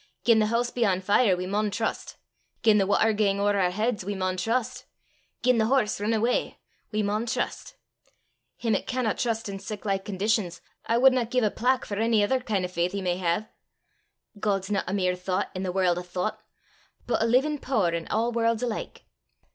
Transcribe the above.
Gien the hoose be on fire we maun trust; gien the watter gang ower oor heids we maun trust; gien the horse rin awa', we maun trust. Him 'at canna trust in siclike conditions, I wadna gie a plack for ony ither kin' o' faith he may hae. God 's nae a mere thoucht i' the warl' o' thoucht, but a leevin' pooer in a' warl's alike.